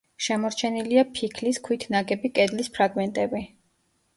შემორჩენილია ფიქლის ქვით ნაგები კედლის ფრაგმენტები.